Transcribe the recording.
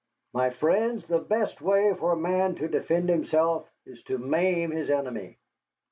"My friends, the best way for a man to defend himself is to maim his enemy.